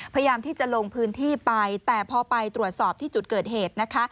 พยายามที่จะลงพื้นที่ไปแต่พอไปตรวจสอบที่จุดเกิดเหตุนะคะ